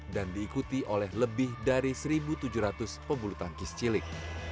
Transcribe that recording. dan diikuti oleh lebih dari satu tujuh ratus pembulutan kiscilik